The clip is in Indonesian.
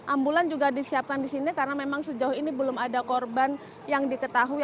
ambulans juga disiapkan di sini karena memang sejauh ini belum ada korban yang diketahui